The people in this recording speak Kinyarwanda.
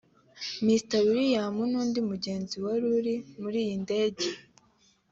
Mr Williams ni undi mugenzi nawe wari muri iyi ndege